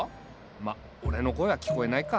まっ俺の声は聞こえないか。